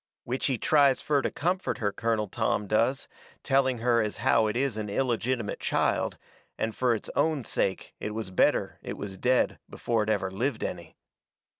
Which he tries fur to comfort her, Colonel Tom does, telling her as how it is an illegitimate child, and fur its own sake it was better it was dead before it ever lived any.